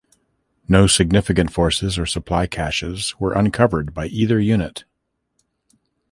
No significant forces or supply caches were uncovered by either unit.